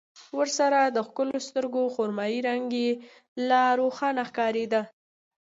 ورسره د ښکلو سترګو خرمايي رنګ يې لا روښانه ښکارېده.